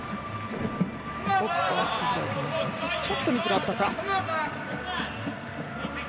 ちょっとミスがあったか。